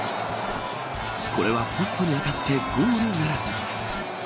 これはポストに当たってゴールならず。